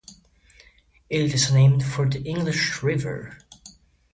It is named for the English River.